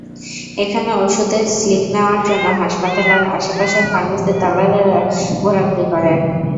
এখানে ওষুধের স্লিপ নেওয়ার জন্য হাসপাতালের আশপাশের ফার্মেসির দালালেরা ঘোরাঘুরি করেন।